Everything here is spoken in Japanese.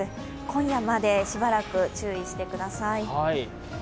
今夜までしばらく注意してください。